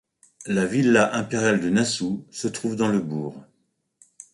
La villa impériale de Nasu se trouve dans le bourg.